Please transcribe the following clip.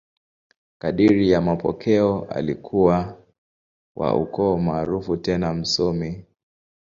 Kadiri ya mapokeo, alikuwa wa ukoo maarufu tena msomi.